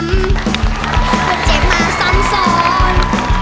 พวกเจ็กมาซำซอน